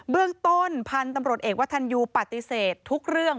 เรื่องต้นพันธุ์ตำรวจเอกวัฒนยูปฏิเสธทุกเรื่อง